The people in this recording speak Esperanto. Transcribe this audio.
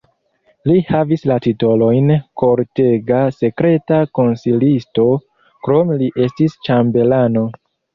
Li havis la titolojn kortega sekreta konsilisto, krome li estis ĉambelano.